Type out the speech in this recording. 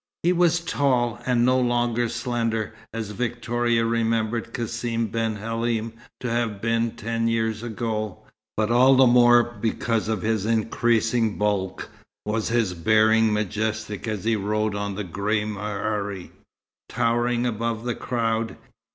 He was tall, and no longer slender, as Victoria remembered Cassim ben Halim to have been ten years ago; but all the more because of his increasing bulk, was his bearing majestic as he rode on the grey mehari, towering above the crowd.